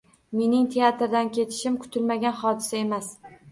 Mening teatrdan ketishim, kutilmagan hodisa emas